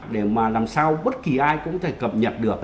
để mà làm sao bất kỳ ai cũng có thể cập nhật được